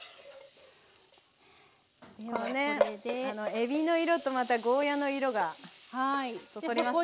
えびの色とまたゴーヤーの色がそそりますね。